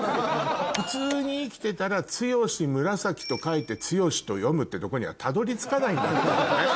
普通に生きてたら「剛紫」と書いて「つよし」と読むってとこにはたどり着かないんだっていうね。